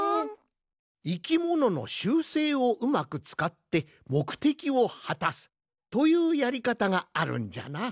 いきものの習性をうまくつかってもくてきをはたすというやりかたがあるんじゃな。